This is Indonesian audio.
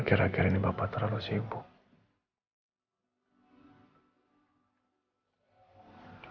akhir akhir ini papa terlalu sibuk